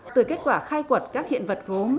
từ kết quả khai quật các hiện vật gốm